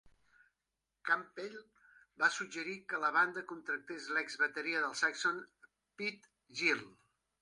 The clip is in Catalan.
Campbell va suggerir que la banda contractes l'ex-bateria dels Saxon Pete Gill.